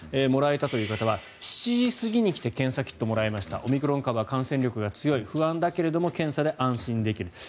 もらえたという方は７時過ぎに来て検査キットをもらえましたオミクロン株は感染力が強い不安だけれども検査で安心できる。